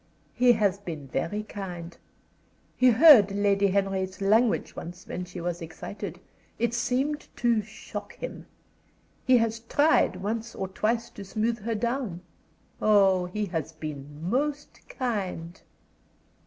"He has been very kind. He heard Lady Henry's language once when she was excited. It seemed to shock him. He has tried once or twice to smooth her down. Oh, he has been most kind!"